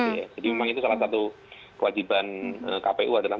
jadi memang itu salah satu kewajiban kpu adalah